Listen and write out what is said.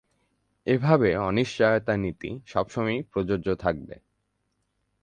এভাবে অনিশ্চয়তা নীতি সবসময়ই প্রযোজ্য থাকবে।